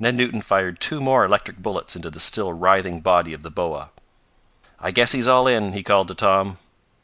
Ned Newton fired two more electric bullets into the still writhing body of the boa. "I guess he's all in," he called to Tom.